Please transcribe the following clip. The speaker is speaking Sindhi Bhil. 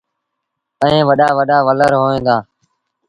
ائيٚݩ وڏآ وڏآ ولر هوئين دآ۔